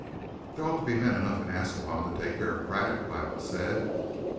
"There ought to be men enough in Ascalon to take care of Craddock," Violet said.